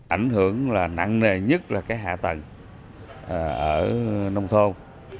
ảnh hưởng nặng nề nhất là hạ tầng ở nông thôn